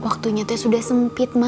waktunya tuh sudah sempit mak